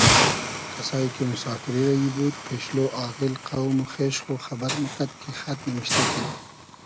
کئسایی کی موسافیری رئیی بود پېشلۉ آغیل قۆم و خېش خو خئبئر موکئد کی خئد نیمشتۂ کین